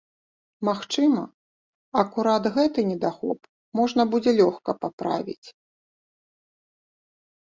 Магчыма, акурат гэты недахоп можна будзе лёгка паправіць.